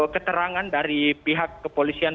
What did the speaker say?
keterangan dari pihak kepolisian